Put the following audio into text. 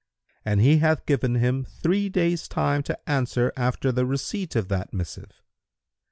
And he hath given him three days' time to answer after the receipt of that missive.